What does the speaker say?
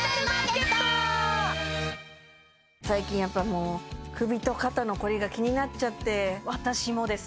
最近やっぱりもう首と肩の凝りが気になっちゃって私もです